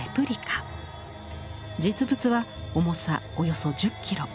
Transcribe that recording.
実物は重さおよそ１０キロ。